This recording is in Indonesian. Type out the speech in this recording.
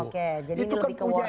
oke jadi ini lebih ke warning ya